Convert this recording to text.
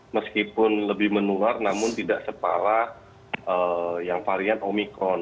meskipun lebih menular namun tidak separah yang varian omikron